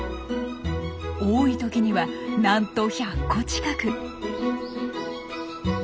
多い時にはなんと１００個近く。